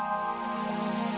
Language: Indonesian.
tidak aku sudah mencobanya